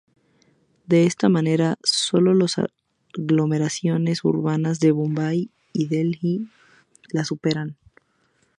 De esta manera, sólo los aglomeraciones urbanas de Bombay y Delhi la superan.